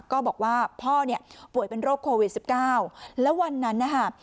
ก็บอกว่าพ่อเนี่ยป่วยเป็นโรคโควิดสิบเก้าแล้ววันนั้นนะคะ